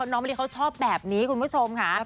มะลิเขาชอบแบบนี้คุณผู้ชมค่ะ